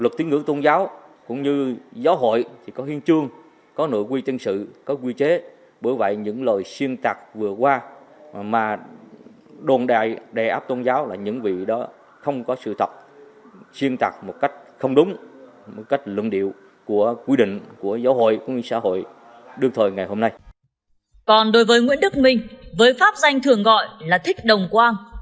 còn đối với nguyễn đức minh với pháp danh thường gọi là thích đồng quang